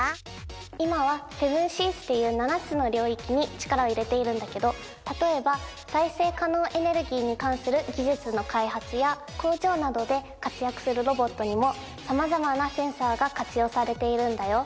今はＳｅｖｅｎＳｅａｓっていう７つの領域に力を入れているんだけど例えば再生可能エネルギーに関する技術の開発や工場などで活躍するロボットにも様々なセンサーが活用されているんだよ